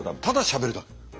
ただしゃべるだけ。